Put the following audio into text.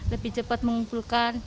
lebih cepat mengumpulkan